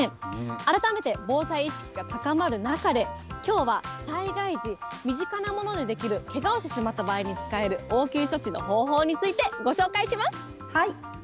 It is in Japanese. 改めて防災意識が高まる中で、きょうは、災害時、身近なものでできる、けがをしてしまった場合に使える応急処置の方法について、ご紹介します。